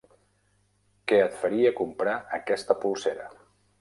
Què et faria comprar aquesta polsera.